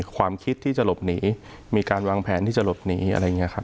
ความคิดที่จะหลบหนีมีการวางแผนที่จะหลบหนีอะไรอย่างนี้ครับ